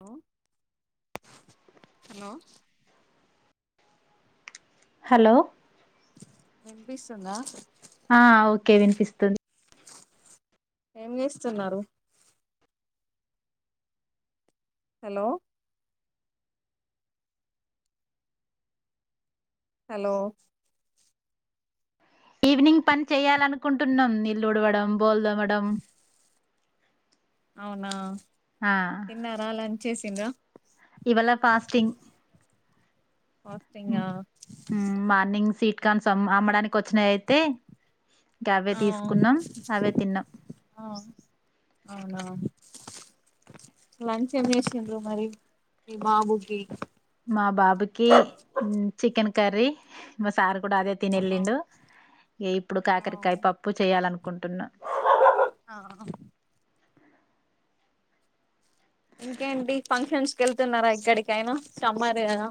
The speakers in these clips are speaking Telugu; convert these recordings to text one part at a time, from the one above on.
హలో [inaudible] హలో హలో వినిపిస్తుందా ఆ ఓకె వినిపిస్తుంది ఏం చేస్తున్నారు. హలో హలో ఈవినింగ్ పని చెయాలనుకుంటుంన్నాంఇ ల్లూడవడం బోల్దొ అవడం అవునా తిన్నార అల చేసీన్రా ఇవ్వల్ల ఫాస్టింగ్ ఫాస్టింగా హుమ్ మార్నింగ్ సిట్ కమ్స్ అమ్ అమ్మడానికి వచ్చినేయి అయితే ఇక అవే ఆ తీసుకున్నాం అవే తిన్నాం ఆ అవునా మంచంవేసిండ్రు మరి ఈ బాబుకి మా బాబుకి హుమ్ చికెన్ కర్రీ మ సారు ఇప్పుడు అదే ఆ తినెళ్ళిండు ఇప్పుడు అవ్ కాకరకాయ పప్పు చేయాలనుకుంటున్నా ఆ ఇంకేంటి ఫంక్షన్స్ కెళ్తున్నారా ఎక్కడికయినా సమ్మర్ గదా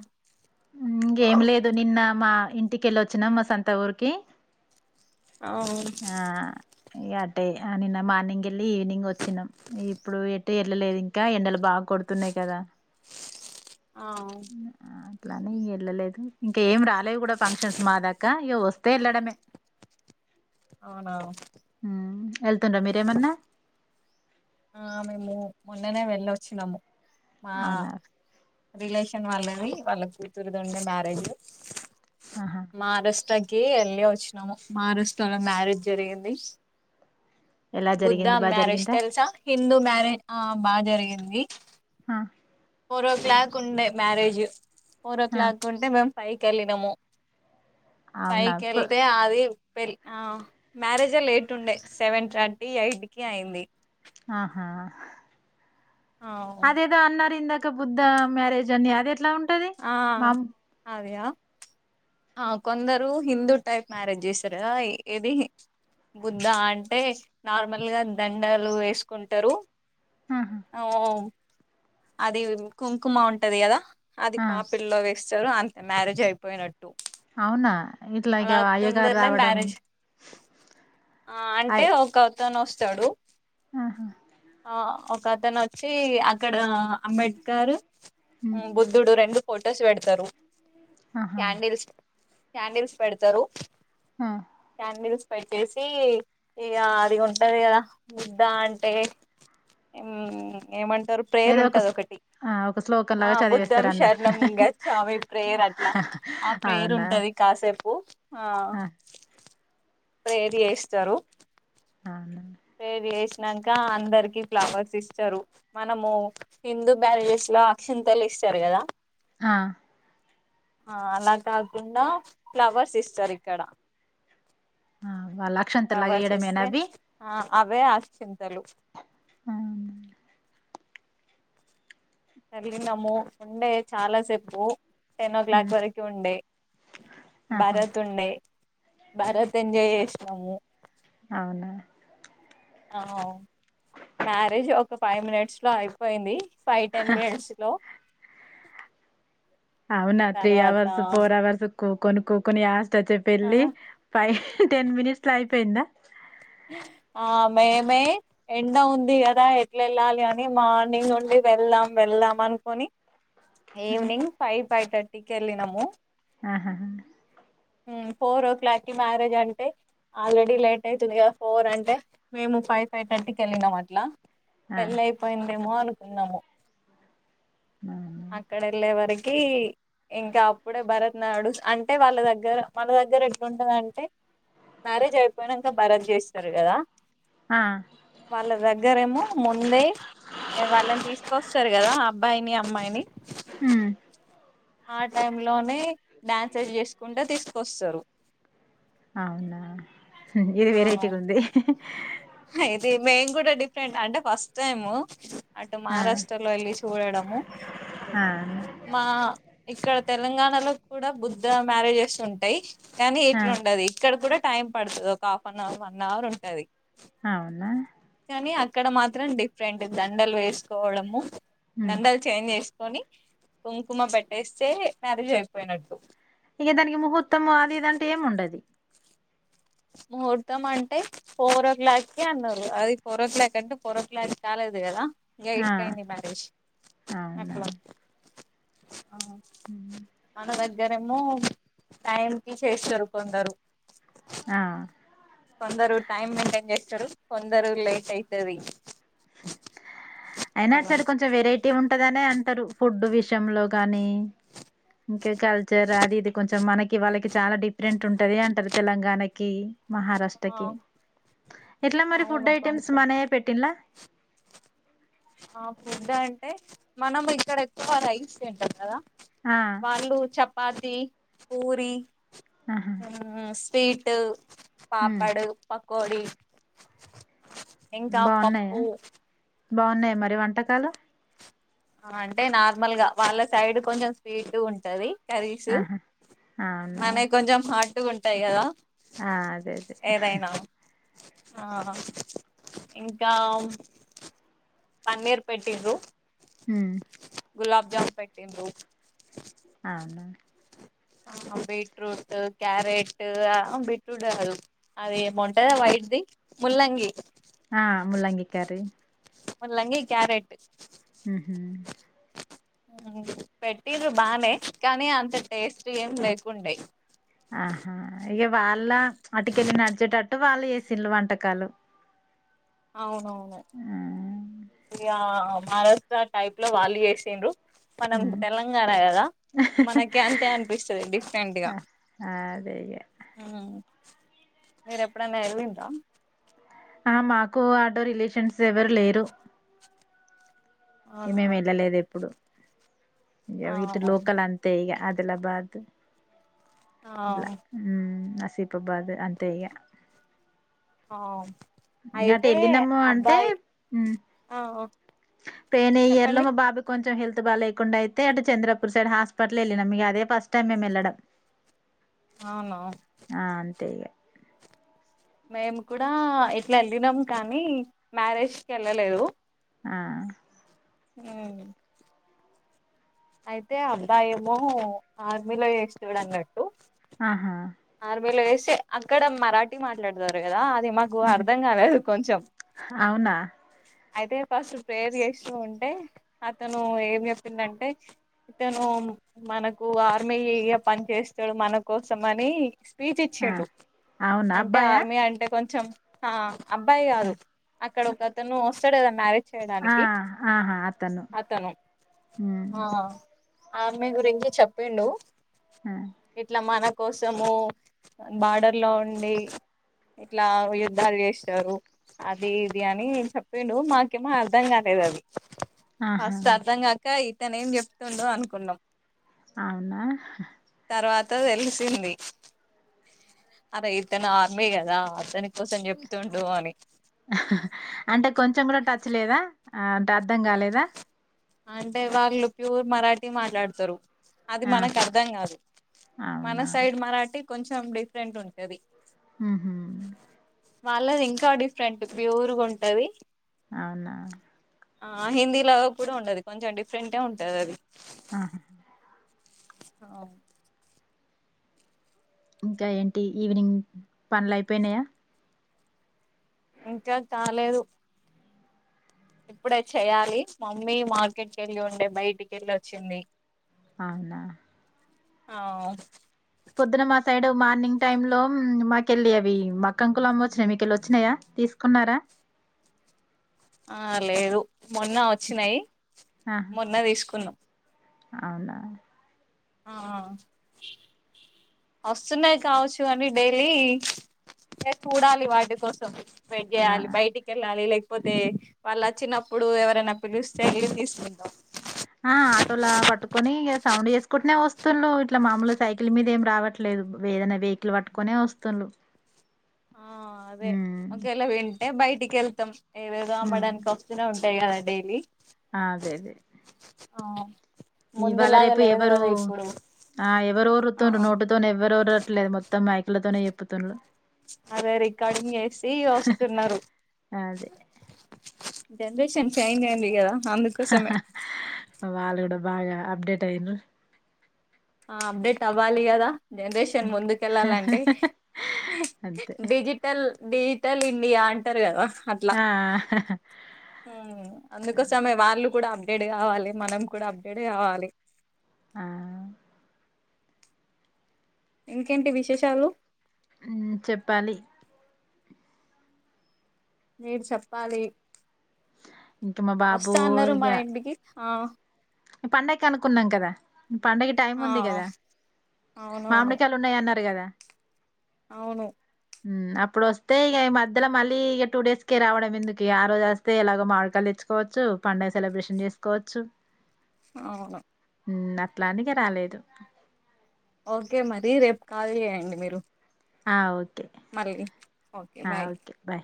ఇంగేమి లేదు నిన్న మా ఇంటికెళ్ళొచ్చినం మా సొంత ఊరికి ఔ ఆ ఇగ అట్టే నిన్న మార్నింగ్ వెళ్ళి ఈవినింగ్ వచ్చినాం ఇప్పుడు ఎటు వెళ్ళలేదు ఇంకా ఎండలు బాగా కొడుతున్నాయి కదా ఆ అట్లానే వెళ్ళలేదు ఇంకా ఏం రాలేదు కూడా ఫంక్షన్స్ మా దాకా ఇగ వస్తే వెళ్ళడమే అవునా వెళ్తుండ్రా మీరేమన్నా ఆ మేము మొన్ననే వెళ్ళొచ్చినాము. మా అవునా రిలేష కెన్ వల్లవి వాళ్ళ కూతురు ఉండా మ్యారేజు ఆహా మరాష్ట్ర కే ఎల్లే వచ్చినాము మరాష్ట్రలో మ్యారేజ్ జరిగింది ఎలా బుద్ధ జరిగింది బాగా మ్యారేజ్ జరిగిందా తెలుసా హిందు మ్యారేజ్ ఆ బాగ జరిగింది ఆ ఫోర్ ఓ క్లాక్ ఉండే మ్యారేజు ఫోర్ ఓ ఆ, క్లాక్ ఉంటే మేమ్ పైకెళ్ళినము అవునా ప- పైకెళ్తే అది పేల్ ఆ మ్యారేజ్ లేట్ ఉండే సెవెన్ థర్టీ ఎయిట్ కి అయింది ఆహా ఆ అదేదో అన్నారింద బుద్ధ మ్యారేజ్ అని అది ఎట్లా ఉంటది ఆ మా అదియా ఆ కొందరు హిందూ టైప్ మ్యారేజ్ జేస్తారు ఏది బుద్ధ అంటే నార్మల్ గా దండలు వేసుకుంటరు ఆహా, అ ఓ అది కుంకుమ ఉంటది గదా అది ఆ, పాపిల్లో వేస్ సారు అంతే మ్యారేజ్ అయిపోయినట్ ట్టు అవునా ఇట్లా ఇక అలా అయ్యగారు తొందరనే రావడం మ్యారేజ్ అంటే అయ్ ఒక అతను వస్ చడు ఆహా అ ఒక అతను వచ్చి అక్కడ ఆ అంబేడ్కర్ ఉమ్. బుద్ధుడు రెండు ఫోటోస్ పెడతారు ఆహా క్యాండిల్స్ క్యాండిల్స్ పెడతారు ఆ క్యాండిల్స్ పెట్టేసి ఇగ అది ఉంటది కదా బుద్ద అంటే ఎం ఏమంట ఏదో ఒక స్- ప్రేయరుంటాదొకటి ఆ ఒక శ్లోకం ఆ లాగా బుద్ధం చదివేస్తారన్న శరణం గచ్చామి ప్రేయర్ అట్లా ఆ అవునా ప్రేయరుంటది కాసేపు ఆ ప్రేయర్ చేస్తారు అవునా ప్రేయర్ చేసినంక అందరికి ఫ్లవర్స్ ఇస్తారు మనము హిందూ బ్యారేజెస్ లో అక్షింతలు ఇస్తారు కదా హా ఆ అలా కాకుండా ఫ్లవర్స్ ఇస్తారు ఇక్కడ ఆ వాళ్ళ అక్షంతల్ లాగా ఫ్లవర్స్ ఇస్తే ఎయ్యడమేనావ్వి ఆ అవే అక్షింతలు అవునా వెళ్ళినము ఉండే చాలా సేపు టెన్ ఓ క్లాక్ ఉమ్ వరకు ఉండే ఆహా బారత్ ఉండే బారాత్ ఎంజాయ్ చేసినాము అవునా ఆ మ్యారేజ్ ఒక ఫైవ్ మినిట్ స్ లో అయిపోయింది ఫైవ్ టెన్ మినిట్స్ లో అవునా త్రీ తర్వాత అవర్స్ ఫోర్ అవర్స్ కూకొని కుకొని యాస్ తోతే పెళ్లి పై టెన్ మినిట్స్ లో అయిపోయిందా ఆ మేమే ఎండ ఉంది కదా ఎట్లెళ్ళాలి అని మార్నింగ్ నుండి వెళ్దాం వెళ్దాం అనుకోని ఆ, ఈవినింగ్ ఫైవ్ ఫైవ్ తట్ టీ కెళ్ళినము ఆహా ఉమ్ ఫోర్ ఓ క్లాక్ కి మ్యారేజ్ అంటే ఆల్రెడీ లేట్ అయితుది గా ఫోర్ అంటే మేము ఫైవ్ ఫైవ్ థర్టీ కెళ్ళినం అట్లా ఆ పెళ్లయిపోయిందేమో అను కున్నాము అవునా అక్కడెళ్ళే వర కి ఇంకా అప్పుడే బారత్ నాడుసు అంటే వాళ్ళ దగ్గర మన దగ్గర ఎట్లుంటందంటే మ్యారేజ్ అయిపోయినంక బారత్ చేసి చేస్తారు కదా ఆ వాళ్ళ దగ్గరేమో ముందే వాళ్ళని తీసుకొస్తారు కదా ఆ అబ్బాయిని అమ్మాయిని ఉమ్ ఆ టైమ్ లోనే డాన్సెస్ చేసుకుంట తీసుకొస్తారు అవునా ఇది ఆ వెరైటీగా ఉంది ఇది మేం కూడా డిఫరెంట్ అంటే ఫస్ట్ టై ము అటు ఆ మహారాష్ట్రలో వెళ్ళి చూడడము ఆ మా ఇక్కడ తెలంగాణలో కూడా బుద్ధ మ్యారేజెస్ ఉంటాయి కానీ ఆ ఇట్లా ఉండదు ఇక్కడ కూడా టైం పడుతుంది ఒక half an hour one hour ఉంటది అవునా కానీ అక్కడ మాత్రం డిఫరెంట్ దండలు వేసుకోవడము ఉమ్ దండల చేంజ్ చేసి కని కుంకుమ పెట్టేస్తే మ్యారేజ్ అయిపోయినట్టు ఇక దానికి ముహూర్తము అది ఇదంటే ఏం ఉండదు ముహూర్తం అంటే ఫోర్ ఓ క్లాక్ కి అన్నారు అది ఫోర్ ఓ క్లాక్ అంటే ఫోర్ ఓ క్లాక్ చాలేదు కదా ఆ ైకాై ని మరిష్ అట్లా హ మన దగ్గరేమో టైం కి చేరుకుంటరు ఆ కొందరు టైం మెయింటైన్ చేస్తారు కొందరు లేట్ అవుతుంది అయినా అటు సడు కొంచెం వెరైటీ ఉంటదనే అంటారు ఫుడ్ విష విషంలో కాగానీ ఇంకా కల్చర్ అది ఇది కొంచెం మనకి వాళ్ళకి చాలా డిఫరెంట్ ఉంటుంది అంటారు తెలంగాణకి ఆ మహారాష్ట్రకి ఎట్లా మరి ఫుడ్ అవును ఐటెమ్స్ కొంచెం మనయ పెట్టింలా ఆ ఫుడ్ అంటే మనం ఇక్కడ ఎక్కువ రైస్ తింటం కదా ఆ వాళ్ళు చెప్ప పాతి పూరి ఆహా ఆ వీట్ ఉమ్ పాపాడు ప కోడి ఇంకా పప్పు బాగున్నాయి మరి వంటకాలు అంటే నార్మల్గా వాళ్ళ సైడ్ కొంచెం స్వీట్ ఉంటది కరీసు ఆహా అవునా మన కొంచెం హాట్ ఉంటాయిగద ఆ అదే అదే ఆ ఇంకా పన్నీర్ పెట్టి్రు హ గులాబ జామ పెట్టింద అవును ఆ బీట్రూట్ క్యారెట్ ఆ బీట్రూట్ కాదు అది ఏమంటందా వైట్ది ముల్లంగి ఆ ముల్లంగి కర్రీ ముల్ంగి క్యారెట్ ఉహు పెట్ట్ర బానే కానీ అంత టేస్ట్ ఏం లేకుండే ఆహా ఇక వాళ్ళ అటుకెళ్ళలిి నడిచేటట్టు వాళ్ళు వేసింళు వంటకాలు అవువు హ్మ్ అ మహారాష్ట్ర టైప్ లో వాళ్ళు చేేసిన్రు మనం హ్మ్. తెలంగాణ కదా మనకి అంతే అనిపిస్తుంది డిఫరెంట్ గా ఆ! అదే ఇగ మీర ఎప్పుడైన్నా వెదివిందా ఆ మాకు ఆటో రిలేషన్స్ ఎవరు లేరు ఏ అవునా మేమి వెళ్ళలేదు ఎప్పుడు ఇక ఆ వీటి లోకల్ అంతే ఇక అది ఇదిలాబాదు ఆ ఇట్లా సిప బాదు అంతే ఆ అటు అయితే వెళ్ళినాము అబ్బాయి ఆ ప్రయిైనయర్ లో చెప్పండి మా బాబు కొంచెం హెల్ బా లేకుండా అయితే అటు చంద్రపూర్ సైడ్ హాస్పిటల్ వెళ్ళినం మీకు అదే ఫస్ట్ టైమ్ మేము వెళ్ళడం అవును ఆ అంతేగా మేము కూడా ఇట్లా వెళ్ళినాం కానీ మ్యారేజ్ కి వెళ్ళలేదు ఆ అ అయితే అబ్బా ఏమో ఆర్మీలో వేస్తాడు అన్నట్టు ఆహా ఆర్మీలో వేస్తే అక్కడ మరాఠీ మాట్లాడతారు కదా అ మాకు హ్మ్. అర్థం కాలేదు కొంచెం అవునా అయితే ఫస్ట్ ప్రేర్ చేస్తూ ఉంటే అతను ఏం చెప్పిందంటే ఇతను మనకు ఆర్మీ పని చేస్తాడు మన కోసం అని స్పీచ్ ఆ ఇచ్చిండు అవునా అంటే అబ్బాయా ఆర్మీ అంటే కొంచం [inaudible] అబ్బాయి కాదు అక్కడ ఒక అతను వ చద మ ఆ ఆహా అతను ఉమ్ ఆ ఆర్మీ గురించి చెప్పిండు ఆ, ఎట్లా మన కోసము బార్డర్ లో ఉండి ఇట్లా యుద్ధాలు చేస్తారు అది ఇది అని చెప్ విను మాకేమో అర్ధం కాలేదు అది ఆహా ఫస్ట్ అర్ధం గాక ఇ తను ఏం చెప్తుండో అనుకున్నాం అవునా తర్వాత తెలిసింది అద ఇతను ఆర్మీ కదా అతను కోసం చెప్తుండు అని అంటే కొంచెం కూడా టచ్ లేదా అంటే అర్ధం కాలేదా అంటే ఇవాగలు ప్యూర్ మరాఠీ మాట్లాడతారు అది మనకు ఆహా అర్థం కాదు మన అవునా సైడ్ మరాఠీ కొంచెం డిఫరెంట్ ఉంటది ఉహు వాళ్ళది ఇంకా డిఫరెంట్ ప్యూర్గా ఉంటది అవునా ఆ హిందీలో కూడా ఉండది కొంచెం డిఫరెంట్ గా ఉంటది అది ఆహా అవును ఇంకా ఏంటి ఈవినింగ్ పనులు అయిపోయినాయా ఇంకా కాలేదు ఇప్పుడే చెయ్యాలి మమ్మీ మార్కెట్ కి వెళ్ళి ఉండే బయటికి వెళ్ళి వచ్చింది అవునా అవు పొద్దున మా సైడ్ మార్నింగ్ టైమ్ లో మాకెళ్ళి అవి మక్కంకుల అమ్మ వచ్చినాయి మీకెళ్ళి వచ్చినాయా తీసుకున్నారా ఆ లేదు మొన్న వచ్చినాయి ఆహా మొన్న తీసుకున్నాం అవునా ఆ వస్తున్నాయి కావచ్చు అని డైలీ చూడాలి వాటి కోసం వెయిట్ చేయాలి ఆ బయటి కెల్లాలి లైక్ క పోతే వాళ్ళు వచ్చినప్పుడు ఎవరైనా పిలుస్తే వెళ్ళి తీసుకుందాం ఆ ఆటోలా పట్టుకొని సౌండ్ చేసుకుంటనే వస్తుల్లు ఇట్లా మామూలు సైకిల్ మీద ఏం రావట్లేదు ఏదైనా వెహికల్ పట్టుకునే వస్తుల్లు ఆ అదే ఒకేలా విన్ అంటే బయటికి వెళ్తాం ఏదేదో ఉమ్ అమ్మడానికి వస్తూనే ఉంటాయి కదా డైలీ అదే అదే ఆ ఇవాళ రేపు ఎవరు ఆ ఎవరు ఒరుతుర్ర్ నోటుతో ఎవరు ఓర్రట్లీదు మొత్తం మొత్తం మైకులతోనే చెప్పుతులు అదే రికార్డింగ్ వేసి వస్తున్నారు అదే జనరేషన్ చేంజ్ జ్ అయిందిగదా. అందుకోసమే వాళ్ళు కూడా బాగా అప్డేట్ అయ్యింరు. ఆ అప్డేట్ అవ్వలి గదా. జనరేషన్ ముందుకెళ్ళాలంటే అంతే డిజిటల్ డీప్ టల్ ఇండియా అంటరు కదా అట్ల ఆ అందుకోసమే వాళ్ళు కూడా అబ్ అప్డేట్ కావాలి, మనం కూడా అప్డేట్ కావాలి. ఆ ఇంకేంటి విశేషాలు? ఉమ్ చెప్పాలి? మీరు చెప్పాలి? ఇంక మా బాబు, వస్తా అన్నారు ఇగ మా ఇంటికి ఆ పండక్కి అనుకున్నాం కదా, పండుగ టైం ఆ ఉంది కదా, అవునవును మామిడికాయలుు ఉన్నయ్ అన్నారు కదా. అవును ఉమ్ అప్పుడు వస్తే ఇగ ఈ మధ్యల మళ్ళీ ఇగ టూ డేస్ కే రావడం ఎందుకిగా ఆ రోజు అస్తే ఎలాగో మాడికాయలు తెచ్చుకోవచ్చు, పండుగ సెలబ్రేషన్ చేసుకోవచ్చు. అవును. ఉమ్ అట్లా అని ఇగ రాలేదు. ఓకే మరి, రేపు కాల్ చేయంండి మీరు. ఆ వచ్ మరేది ఓకే బాయ్. బాయ్